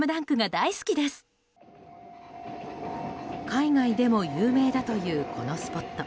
海外でも有名だというこのスポット。